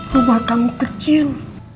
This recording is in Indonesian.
rumah kamu kecil